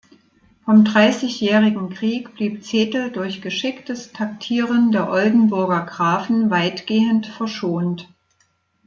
Vom Dreißigjährigen Krieg blieb Zetel durch geschicktes Taktieren der Oldenburger Grafen weitgehend verschont.